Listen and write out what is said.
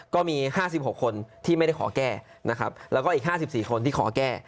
ก็มี๕๖คนที่ไม่ได้ขอแก้นะครับแล้วก็อีก๕๔คนที่ขอแก้